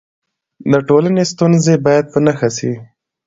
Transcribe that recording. د ټولنې ستونزې باید په نښه سي.